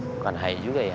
bukan hai juga ya